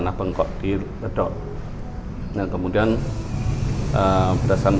kerugian di taksil berapa